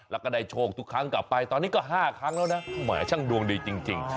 แล้วก็ได้โชคทุกครั้งกลับไปตอนนี้ก็๕ครั้งแล้วนะแหมช่างดวงดีจริง